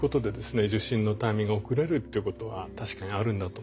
受診のタイミングが遅れるということは確かにあるんだと思います。